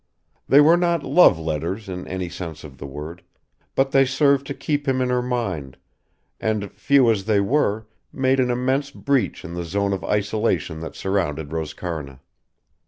They were not love letters in any sense of the word; but they served to keep him in her mind, and, few as they were, made an immense breach in the zone of isolation that surrounded Roscarna.